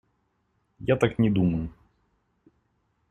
Я так не думаю.